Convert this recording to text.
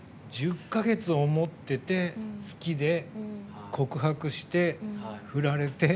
１０か月思ってて、好きで告白して、振られて。